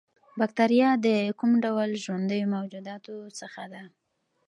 باکتریا د کوم ډول ژوندیو موجوداتو څخه ده